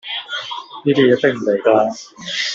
呢啲嘢迫唔嚟架